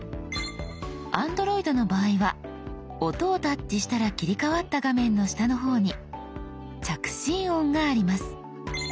Ａｎｄｒｏｉｄの場合は「音」をタッチしたら切り替わった画面の下の方に「着信音」があります。